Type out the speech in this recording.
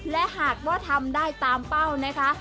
และหากว่าทำได้ตามเป้านะคะ